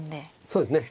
そうですね。